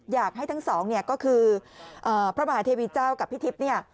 อยากให้ทั้งสองเนี่ยก็คือพระมหาเทวีเจ้ากับพี่ทิพย์เนี่ย